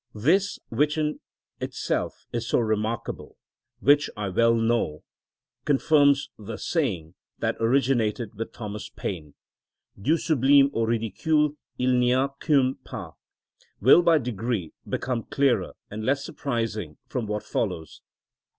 This, which in itself is so remarkable (which I well know confirms the saying that originated with Thomas Paine, Du sublime au ridicule il n'y a qu'un pas), will by degrees become clearer and less surprising from what follows.